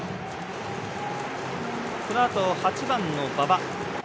このあと、８番の馬場。